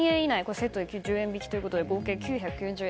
セットで１０円引きということで合計９９０円。